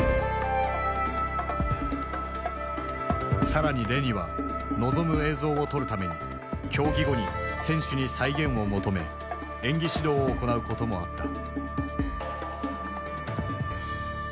更にレニは望む映像を撮るために競技後に選手に再現を求め演技指導を行うこともあった。